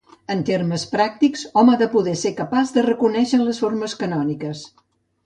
En termes pràctics, hom ha de poder ser capaç de reconèixer les formes canòniques.